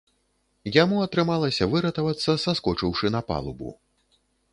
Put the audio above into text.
Яму атрымалася выратавацца, саскочыўшы на палубу.